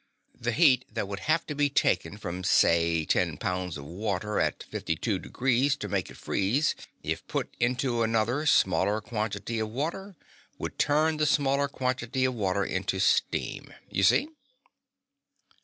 The heat that would have to be taken from say ten pounds of water at 52° to make it freeze, if put into another smaller quantity of water would turn the smaller quantity of water into steam. You see?"